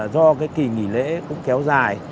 do kỳ nghỉ lễ cũng kéo dài